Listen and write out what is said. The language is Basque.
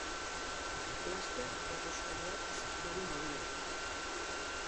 Laster errosarioa piztuko du Mariak.